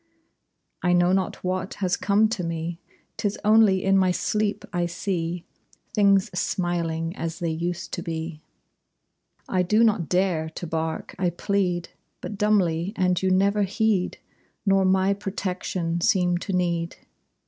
I know not what has come to me. 'Tis only in my sleep I see Things smiling as they used to be. I do not dare to bark; I plead But dumbly, and you never heed; Nor my protection seem to need.